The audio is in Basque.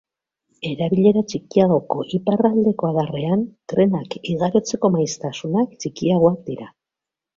Erabilera txikiagoko iparraldeko adarrean trenak igarotzeko maiztasunak txikiagoak dira.